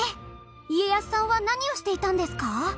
家康さんは何をしていたんですか？